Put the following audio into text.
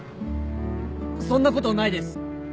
そんなことないです！